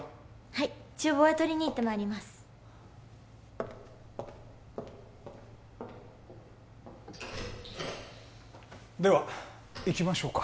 はい厨房へ取りに行ってまいりますでは行きましょうか